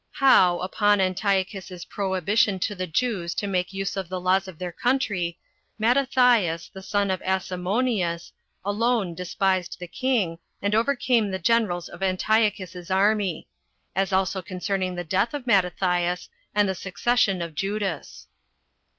How, Upon Antiochus's Prohibition To The Jews To Make Use Of The Laws Of Their Country Mattathias, The Son Of Asamoneus, Alone Despised The King, And Overcame The Generals Of Antiochus's Army; As Also Concerning The Death Of Mattathias, And The Succession Of Judas.